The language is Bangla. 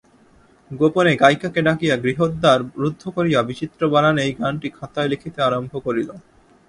গোপনে গায়িকাকে ডাকিয়া গৃহদ্বার রুদ্ধ করিয়া বিচিত্র বানানে এই গানটি খাতায় লিখিতে আরম্ভ করিল।